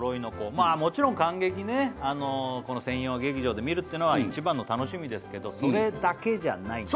まあもちろん観劇ねこの専用劇場で見るっていうのは一番の楽しみですけどそれだけじゃないんです